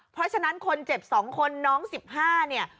เพราะฉะนั้นคนเจ็บสองคนน้องสิบห้าเนี่ย